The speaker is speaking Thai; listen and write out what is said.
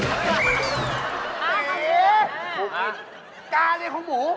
สิกลาเรียของหมู